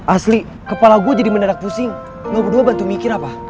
asli kepala gue jadi mendadak pusing gue bantu mikir apa